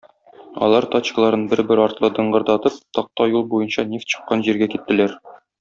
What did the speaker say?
Алар тачкаларын бер-бер артлы дыңгырдатып такта юл буенча нефть чыккан җиргә киттеләр.